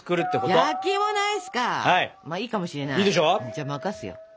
じゃあ任すよ。